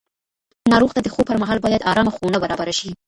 ناروغ ته د خوب پر مهال باید ارامه خونه برابره شي.